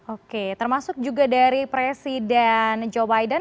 oke termasuk juga dari presiden joe biden